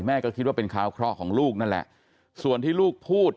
แม่ก็คิดว่าเป็นขาวข้อของลูกนั่นแหละ